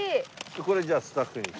これじゃあスタッフに１つ。